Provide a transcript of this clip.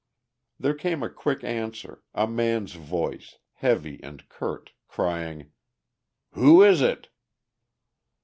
There came quick answer, a man's voice, heavy and curt, crying: "Who is it?"